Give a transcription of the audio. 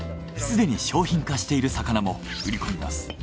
すでに商品化している魚も売り込みます。